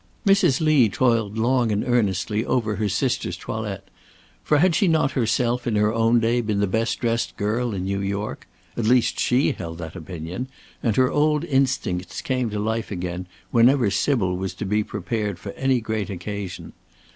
Mrs. Lee toiled long and earnestly over her sister's toilet, for had not she herself in her own day been the best dressed girl in New York? at least, she held that opinion, and her old instincts came to life again whenever Sybil was to be prepared for any great occasion.